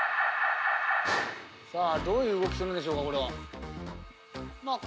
さあどういう動きするんでしょうか？